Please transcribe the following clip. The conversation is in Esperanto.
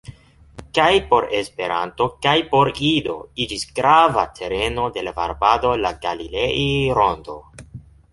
Kaj por Esperanto, kaj por Ido iĝis grava tereno de la varbado la Galilei-Rondo.